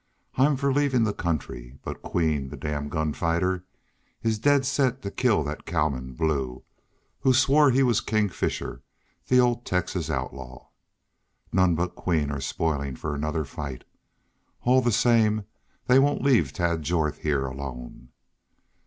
I'm for leavin' the country. But Queen, the damn gun fighter, is daid set to kill that cowman, Blue, who swore he was King Fisher, the old Texas outlaw. None but Queen are spoilin' for another fight. All the same they won't leave Tad Jorth heah alone."